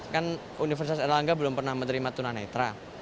kan universitas erlangga belum pernah menerima tuna netra